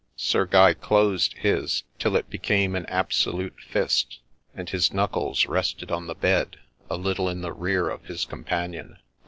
Sir Guy closed his till it became an absolute fist, and his knuckles rested on the bed a little in the rear of his companion.